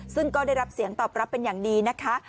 ซึ่งก็ได้รับเสียงตอบรับเป็นอย่างดีนะคะ